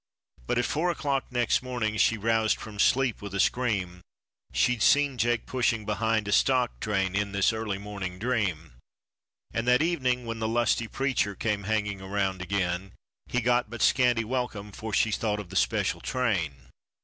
But at four o'clock next morning, she roused from sleep with a scream; She'd seen Jake pushing behind a stock train in this early morning dream. And that evening when the lusty preacher came hanging around again, He got but a scanty welcome, for she thought of the special train.